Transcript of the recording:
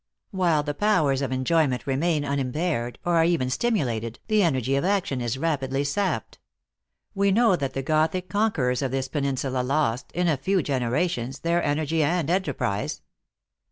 While the powers of enjoyment remain unimpaired, or are even stim ulated, the energy of action is rapidly sapped. We know that the Gothic conquerors of this peninsula lost, in a few generations, their energy and enterprise.